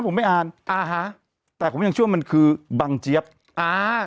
ผมไม่อ่านอ่าฮะแต่ผมยังเชื่อว่ามันคือบังเจี๊ยบอ่า